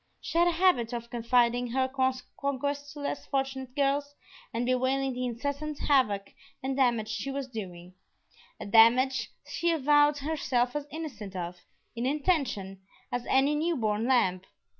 She had a habit of confiding her conquests to less fortunate girls and bewailing the incessant havoc and damage she was doing; a damage she avowed herself as innocent of, in intention, as any new born lamb.